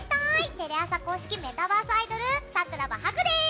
テレ朝公式メタバースアイドル桜葉ハグです！